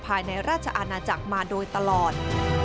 ภายในราชอาณาจักรมาโดยตลอด